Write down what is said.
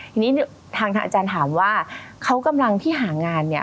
ทีนี้ทางอาจารย์ถามว่าเขากำลังที่หางานเนี่ย